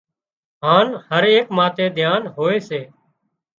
هانَ هر ايڪ ماٿي ڌيان هوئي سي